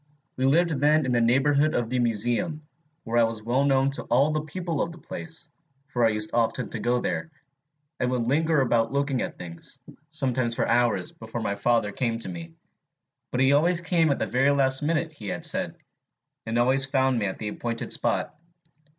We lived then in the neighborhood of the Museum, where I was well known to all the people of the place, for I used often to go there, and would linger about looking at things, sometimes for hours before my father came to me but he always came at the very minute he had said, and always found me at the appointed spot.